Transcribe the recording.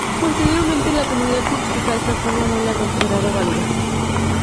Posteriormente, la comunidad científica a esta forma no la ha considerado válida.